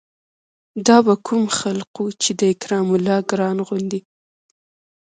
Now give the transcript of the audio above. دا به کوم خلق وو چې د اکرام الله ګران غوندې